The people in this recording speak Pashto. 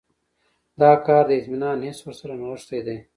دا کار د اطمینان حس ورسره نغښتی دی.